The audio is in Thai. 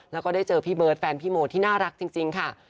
แล้วก็ได้เจอพี่เบิร์ตแฟนพี่โมที่น่ารักจริงค่ะ